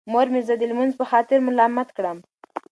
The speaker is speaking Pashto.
مور مې زه د لمونځ په خاطر ملامت کړم.